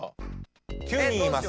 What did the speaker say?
９人います。